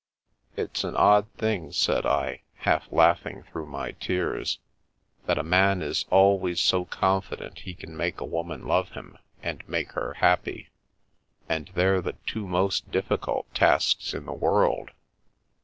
" It's an odd thing," said I, half laughing through my tears, " that a man is always so confident he can make a woman love him and make her happy — and they're the two most difficult tasks in the world."